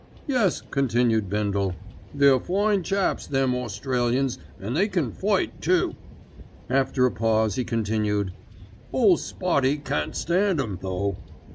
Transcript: "Yes," continued Bindle, "they're fine chaps them Australians, an' they can fight too." After a pause he continued: "Ole Spotty can't stand 'em, though.